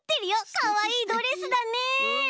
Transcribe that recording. かわいいドレスだね。